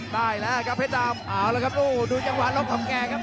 เอาแล้วครับโอ้โหดูจังหวานลบของแก่ครับ